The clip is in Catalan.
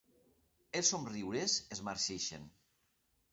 Els somriures es marceixen.